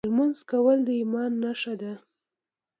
لمونځ کول د ایمان نښه ده .